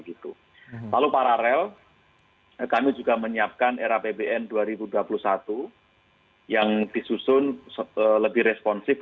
kembali perekonomian indonesia